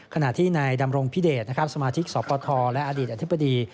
ขณะที่ในดำรงพิเดชนะครับสมาธิกษ์สพทและอดีตอธิบดี